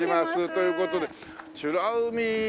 という事で美ら海水族館